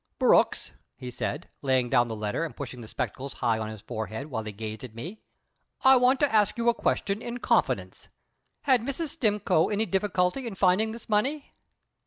"Brooks," said he, laying down the letter and pushing the spectacles high on his forehead while he gazed at me, "I want to ask you a question in confidence. Had Mrs. Stimcoe any difficulty in finding this money?"